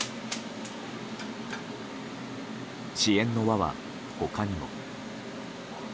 支援の輪は他にも。